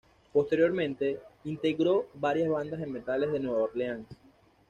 Posteriormente, integró varias bandas de metales de Nueva Orleans.